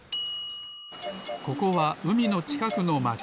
ここはうみのちかくのまち。